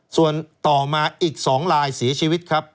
ส่วนต่อมาอีก๒ลายเสียชีวิตครับ